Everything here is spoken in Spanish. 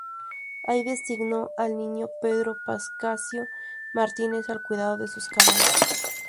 Allí designó al niño Pedro Pascasio Martínez al cuidado de sus caballos.